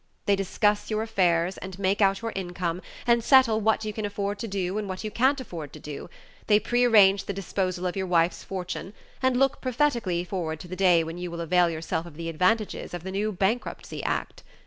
They discuss your affairs, and make out your income, and settle what you can afford to do and what you can't afford to do; they prearrange the disposal of your wife's fortune, and look prophetically forward to the day when you will avail yourself of the advantages of the new Bankruptcy Act.